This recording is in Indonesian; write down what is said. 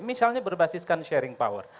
misalnya berbasiskan sharing power